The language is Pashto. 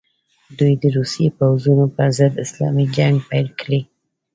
دوی د روسي پوځونو پر ضد اسلامي جنګ پیل کړي.